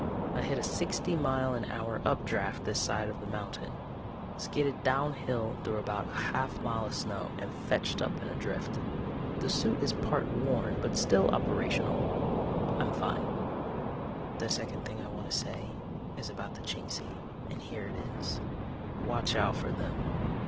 I hit a sixty mile an hour updraft this side of the mountain, skidded downhill through about half a mile of snow and fetched up in a drift. The suit is part worn but still operational. I'm fine. "The second thing I want to say is about the Chingsi, and here it is: watch out for them.